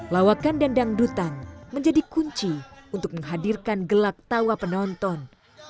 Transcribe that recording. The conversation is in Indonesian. lawakan dendanggdutan menjadi kunci untuk menghadirkan gelak tawa penonton